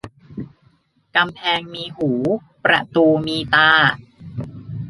กำแพงมีหูประตูมีตา